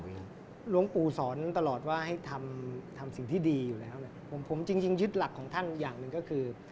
หลวงปู่สอนตลอดว่าให้ทำทำสิ่งที่ดีอยู่แล้วเนี่ยผมจริงยึดหลักของท่านอย่างหนึ่งก็คือ